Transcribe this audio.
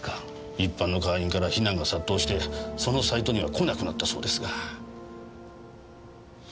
一般の会員から非難が殺到してそのサイトには来なくなったそうですが。